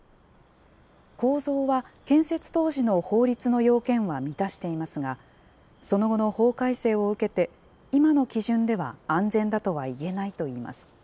構造は建設当時の法律の要件は満たしていますが、その後の法改正を受けて、今の基準では安全だとはいえないといいます。